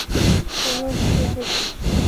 আমরা তো যুদ্ধে নেমেছি।